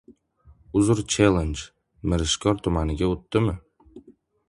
“Uzr – chellenj” Mirishkor tumaniga o‘tdimi?